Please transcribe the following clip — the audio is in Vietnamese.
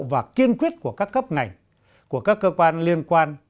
và kiên quyết của các cấp ngành của các cơ quan liên quan